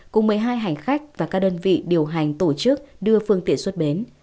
cùng một mươi hai hành khách và các đơn vị điều hành tổ chức đưa phương tiện xuất bến